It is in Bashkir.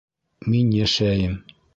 Мин йәшәйем.